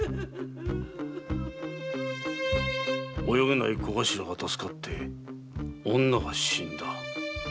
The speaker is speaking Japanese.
泳げない小頭が助かって女が死んだ。